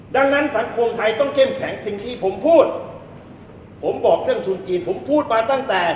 ดังนั้นสังคมไทยต้องเข้มแข็งสิ่งที่ผมพูดผมบอกเรื่องทุนจีนผมพูดมาตั้งแต่